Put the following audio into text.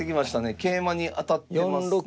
桂馬に当たってますね。